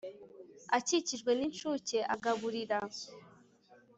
akikijwe n'incuke agaburira